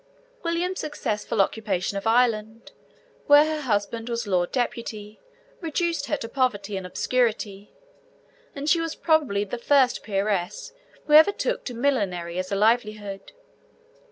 William's successful occupation of Ireland, where her husband was Lord Deputy, reduced her to poverty and obscurity, and she was probably the first Peeress who ever took to millinery as a livelihood.